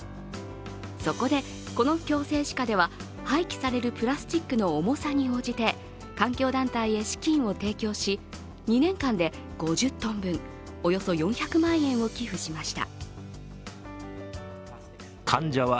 そこで、この矯正歯科では廃棄されるプラスチックの重さに応じて環境団体へ資金を提供し、２年間で５０ｔ分およそ４００万円を寄付しました。